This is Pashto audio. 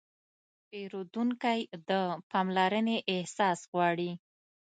پیرودونکی د پاملرنې احساس غواړي.